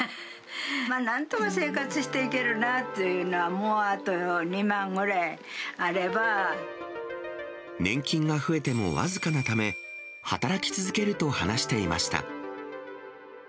なんとか生活していけるなっていうのは、もうあと２万ぐらいあれ年金が増えても僅かなため、働き続けると話していました。